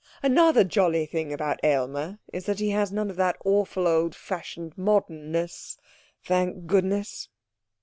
Another jolly thing about Aylmer is that he has none of that awful old fashioned modernness, thank goodness!'